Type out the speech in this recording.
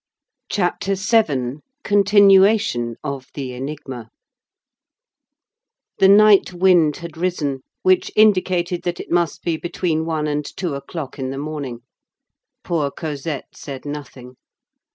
CHAPTER VII—CONTINUATION OF THE ENIGMA The night wind had risen, which indicated that it must be between one and two o'clock in the morning. Poor Cosette said nothing.